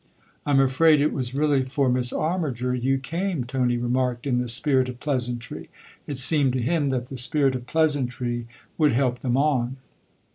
" I'm afraid it was really for Miss Armiger you came," Tony remarked in the spirit of pleasantry. It seemed to him that the spirit of pleasantry would help them on.